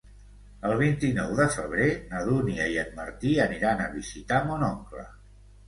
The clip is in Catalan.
El vint-i-nou de febrer na Dúnia i en Martí aniran a visitar mon oncle.